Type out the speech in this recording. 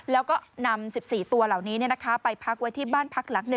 แล้วก็นำ๑๔ตัวเหล่านี้ไปพักไว้ที่บ้านพักหลัง๑